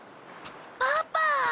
パパ！